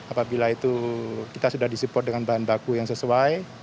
apabila itu kita sudah disupport dengan bahan baku yang sesuai